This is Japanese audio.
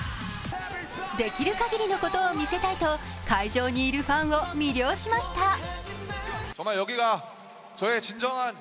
できる限りのことを見せたいと会場にいるファンを魅了しました。